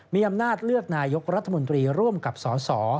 มีอำนาจเลือกนายกรัฐมนตรีร่วมกับสส